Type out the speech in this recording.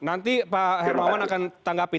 nanti pak hermawan akan tanggapi